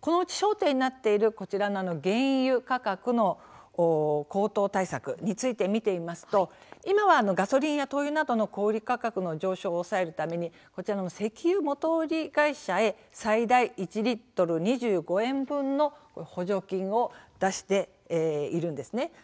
このうち焦点になっているこちらの原油価格の高騰対策について見てみますと今はガソリンや灯油などの小売価格の上昇を抑えるためにこちらの石油元売り会社へ最大１リットル２５円分の補助金を出しているんですね。